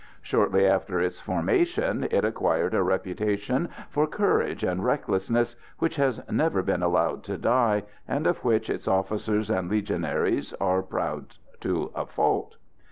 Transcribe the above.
Shortly after its formation it acquired a reputation for courage and recklessness which has never been allowed to die, and of which its officers and Legionaries are proud to a fault.